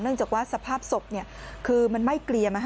เนื่องจากว่าสภาพศพคือมันไม่เกลี่ยม